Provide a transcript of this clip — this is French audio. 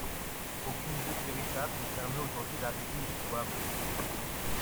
Aucune route véritable ne permet aujourd'hui d'arriver jusqu'au hameau.